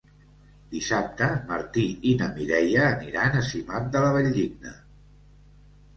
Dissabte en Martí i na Mireia aniran a Simat de la Valldigna.